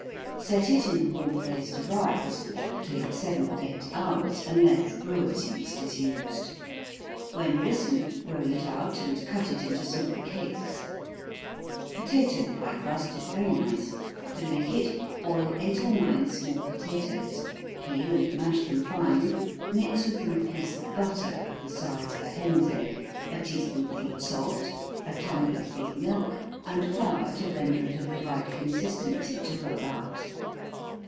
Set it in a warm place to rise, which will take seven or eight hours, unless brewer's yeast is used. When risen, roll it out, and cut it into small cakes. Potatoe pie crust is very nice. To make it, boil eight or nine small potatoes, peel and mash them fine, mix with them a piece of butter, of the size of a hen's egg, a tea spoonful of salt, a tumbler full of milk, and flour to render it of the right consistency to roll out.